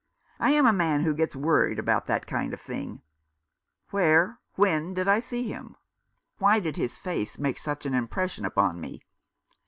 I am a man who gets worried about that 330 The American Remembers. kind of thing. Where, when did I see him ? Why did his face make such an impression upon me